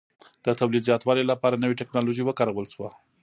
د تولید زیاتوالي لپاره نوې ټکنالوژي وکارول شوه